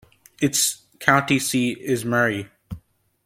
Its county seat is Murray.